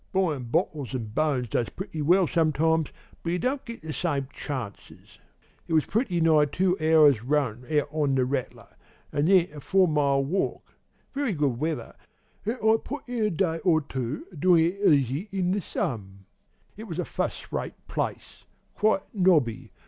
Buyin' bottles an' bones does pretty well sometimes, but you don't get the same chances. It was very nigh two hours' run out on the rattler, an' then a four mile walk; very good weather, an' I put in a day or two doin' it easy in the sun.' "'It was a furst rate place quite nobby.